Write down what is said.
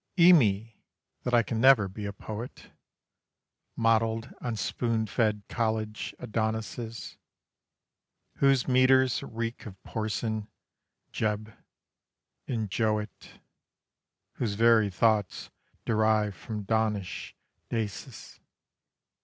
Οίμοι! that I can never be a poet Modelled on spoon fed college Adonäises, Whose metres reek of Porson, Jebb, and Jowett, Whose very thoughts derive from donnish däises.